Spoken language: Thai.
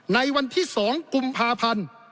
ในวันที่๒กุมภาพันธ์